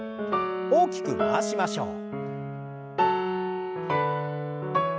大きく回しましょう。